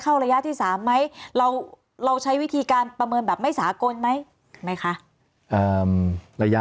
ระยะที่๓ไหมเราใช้วิธีการประเมินแบบไม่สากลไหมไหมคะระยะ